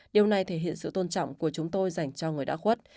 điều này thể hiện sự tôn trọng của chúng tôi dành cho người đã khuất